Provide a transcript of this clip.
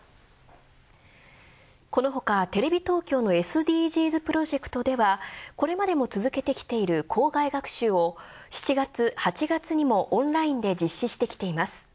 この他テレビ東京のＳＤＧｓプロジェクトではこれまでも続けてきている校外学習を７月８月にもオンラインで実施してきています。